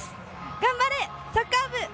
頑張れ、サッカー部！